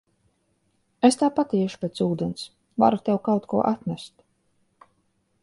Es tāpat iešu pēc ūdens, varu tev kaut ko atnest.